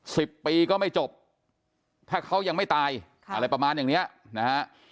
สิบปีก็ไม่จบถ้าเขายังไม่ตายค่ะอะไรประมาณอย่างเนี้ยนะฮะ